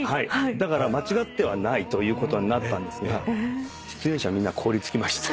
だから間違ってはないということになったんですが出演者みんな凍り付きました。